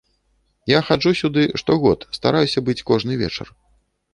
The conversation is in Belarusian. Я хаджу сюды штогод, стараюся быць кожны вечар.